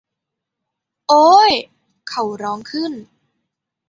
โอ้ย เขาร้องขึ้น